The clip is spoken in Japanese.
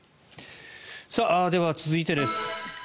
では、続いてです。